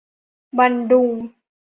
บันดุง